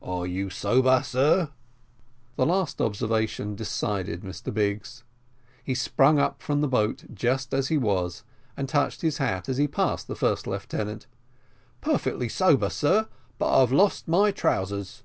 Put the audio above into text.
Are you sober, sir?" The last observation decided Mr Biggs. He sprung up from the boat just as he was, and touched his hat as he passed the first lieutenant. "Perfectly sober, sir, but I've lost my trousers."